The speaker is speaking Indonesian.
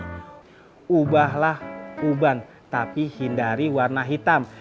ubahlah uban tapi hindari warna hitam